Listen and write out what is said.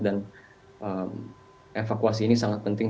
dan evakuasi ini sangat penting